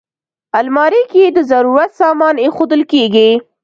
الماري کې د ضرورت سامان ایښودل کېږي